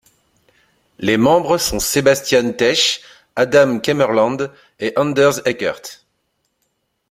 Les membres sont Sebastian Tesch, Adam Kammerland et Anders Ekert.